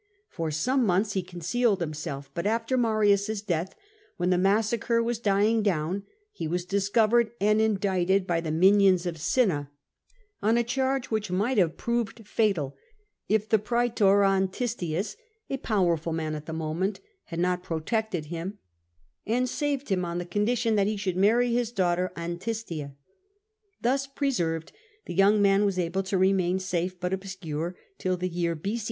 For some months he concealed himself, but after Marius's death, when the massacre was dying down, he was discovered and in dicted by the minions of Cinna, on a charge which might have proved fatal, if the praetor Antistius, a powerful man at the moment, had not protected him, and saved him, on the condition that he should marry his daughter Antistia. Thus preserved, the young man was able to remain safe but obscure till the year b.c.